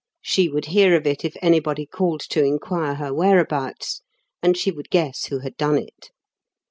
She would hear of it if anybody called to inquire her whereabouts; and she would guess who had done it.